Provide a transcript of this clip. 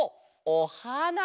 おはな。